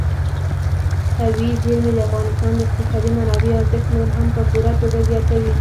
طبیعي زیرمې د افغانستان د اقتصادي منابعو ارزښت نور هم په پوره توګه زیاتوي.